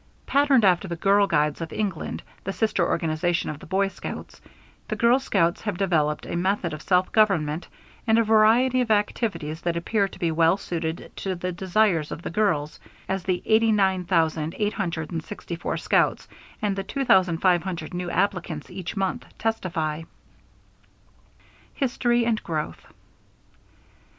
Patterned after the Girl Guides of England, the sister organization of the Boy Scouts, the Girl Scouts have developed a method of self government and a variety of activities that appear to be well suited to the desires of the girls, as the 89,864 scouts and the 2,500 new applicants each month testify. HISTORY AND GROWTH.